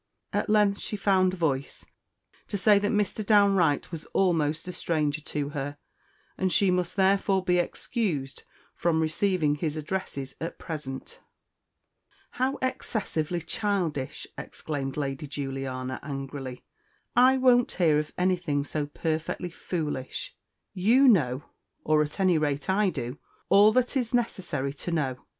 At length she found voice to say that Mr. Downe Wright was almost a stranger to her, and she must therefore be excused from receiving his addresses at present. "How excessively childish!" exclaimed Lady Juliana angrily. "I won't hear of anything so perfectly foolish. You know (or, at any rate, I do) all that is necessary to know.